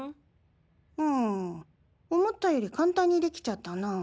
うん思ったより簡単にできちゃったなぁ。